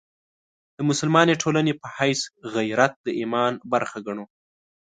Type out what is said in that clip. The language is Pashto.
د مسلمانې ټولنې په حیث غیرت د ایمان برخه ګڼو.